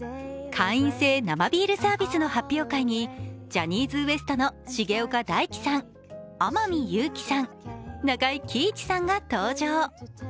会員制生ビールサービスの発表会にジャニーズＷＥＳＴの重岡大毅さん、天海祐希さん、中井貴一さんが登場。